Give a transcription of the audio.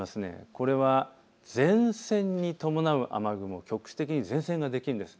これは前線に伴う雨雲、局地的に前線ができるんです。